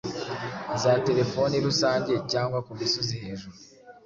za telefoni rusange cyangwa ku misozi hejuru,